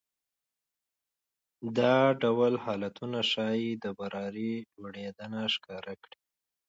دا ډول حالتونه ښايي د برابرۍ لوړېدنه ښکاره کړي